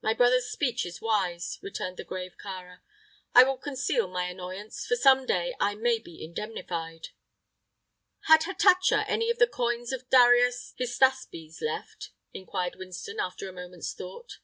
"My brother's speech is wise," returned the grave Kāra. "I will conceal my annoyance, for some day I may be indemnified." "Had Hatatcha any of the coins of Darius Hystaspes left?" inquired Winston, after a moment's thought.